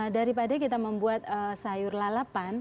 daripada kita membuat sayur lalapan